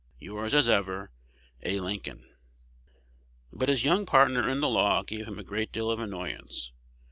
Yours as ever, A. Lincoln. But his young partner in the law gave him a great deal of annoyance.